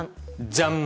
じゃん！